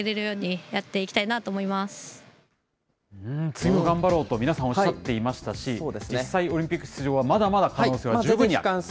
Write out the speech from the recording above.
次、頑張ろうと皆さん、おっしゃっていましたし、実際、オリンピック出場はまだまだ可能性は十分にあります。